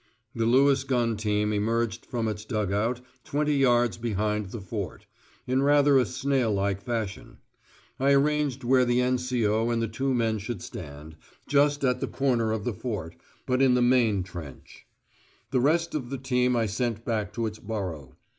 The Lewis gun team emerged from its dug out twenty yards behind the Fort, in rather a snail like fashion. I arranged where the N.C.O. and two men should stand, just at the corner of the Fort, but in the main trench (at B in map). The rest of the team I sent back to its burrow.